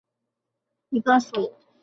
粗颈龟属是地龟科下的一个属。